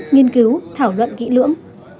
nhiên cứu thảo luận kỹ lưỡng